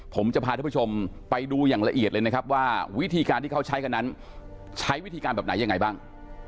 ผมจะพาท่านผู้ชมไปดูอย่างละเอียดเลยนะครับว่าวิธีการที่เขาใช้กันนั้นใช้วิธีการแบบไหนยังไงบ้าง